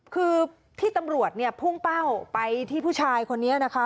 คือที่ตำรวจเนี่ยพุ่งเป้าไปที่ผู้ชายคนนี้นะคะ